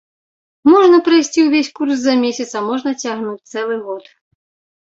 Можна прайсці ўвесь курс за месяц, а можна цягнуць цэлы год.